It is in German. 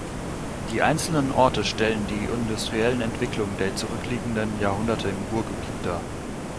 Die einzelnen Orte stellen die industriellen Entwicklungen der zurückliegenden Jahrhunderte im Ruhrgebiet dar.